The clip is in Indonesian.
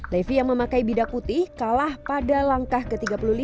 levi yang memakai bidak putih kalah pada langkah ke tiga puluh lima